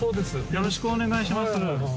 よろしくお願いします